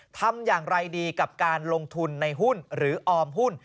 ทำอย่างไรดีกับการลงทุนในหุ้นหรือออมหุ้น